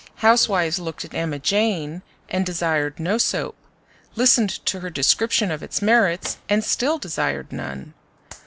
Housewives looked at Emma Jane and desired no soap; listened to her description of its merits, and still desired none.